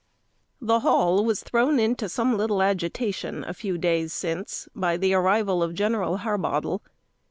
The Hall was thrown into some little agitation, a few days since, by the arrival of General Harbottle.